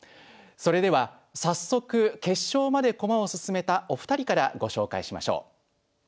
それでは早速決勝まで駒を進めたお二人からご紹介しましょう。